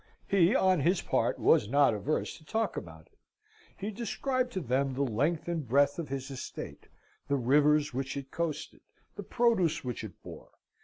He, on his part, was not averse to talk about it. He described to them the length and breadth of his estate; the rivers which it coasted; the produce which it bore.